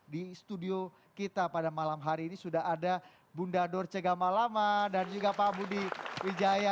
di studio kita pada malam hari ini sudah ada bunda dorce gamalama dan juga pak budi wijaya